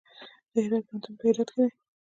د هرات پوهنتون په هرات کې دی